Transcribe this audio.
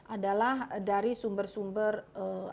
adalah dari sumber sumber apa karbon dari transportasi